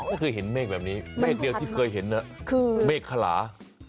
ไม่เคยเห็นเมฆแบบนี้เมฆเดียวที่เคยเห็นคือเมฆขลา